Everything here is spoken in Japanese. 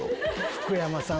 福山さん